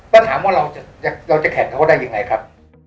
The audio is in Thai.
ต้องถามว่าเราจะแข่งเค้าได้อย่างไรครับ